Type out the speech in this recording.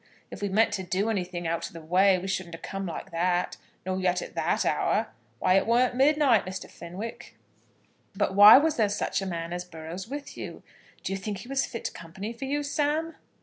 If we'd meant to do anything out of the way we shouldn't 'a come like that, nor yet at that hour. Why, it worn't midnight, Mr. Fenwick." "But why was there such a man as Burrows with you? Do you think he was fit company for you, Sam?"